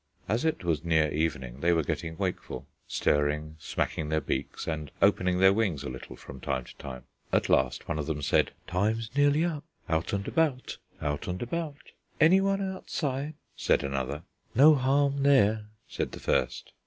As it was near evening, they were getting wakeful, stirring, smacking their beaks and opening their wings a little from time to time. At last one of them said: "Time's nearly up. Out and about! Out and about!" "Anyone outside?" said another. "No harm there," said the first.